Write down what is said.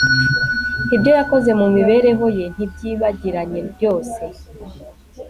ibyo yakoze mu mibereho ye ntibyibagiranye byose